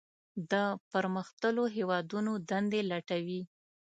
د پرمختللو هیوادونو دندې لټوي.